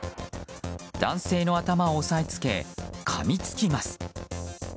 男性の頭を押さえつけかみつきます。